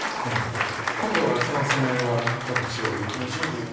今度はその攻め合いは多分白有利なんです。